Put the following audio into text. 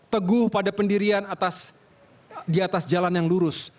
teguh pada pendirian di atas jalan yang lurus